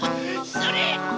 それ！